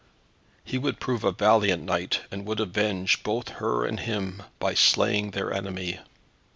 He would prove a valiant knight, and would avenge both her and him by slaying their enemy.